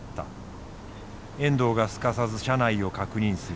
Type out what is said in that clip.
遠藤がすかさず車内を確認する。